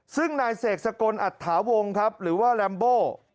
ซึ่งนายเสกสกลอัตถาวงครับหรือว่าแรมโบ